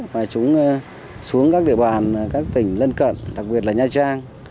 và chúng xuống các địa bàn các tỉnh lân cận đặc biệt là nha trang